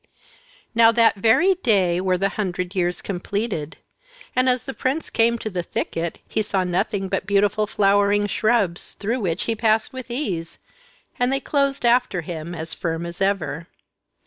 Now that very day were the hundred years completed; and as the prince came to the thicket he saw nothing but beautiful flowering shrubs, through which he passed with ease, and they closed after him, as firm as ever.